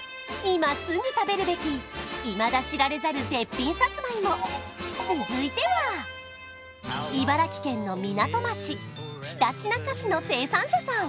今すぐ食べるべきいまだ知られざる絶品サツマイモ続いては茨城県の港町ひたちなか市の生産者さん